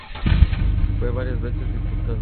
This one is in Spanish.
Fue varias veces Diputado.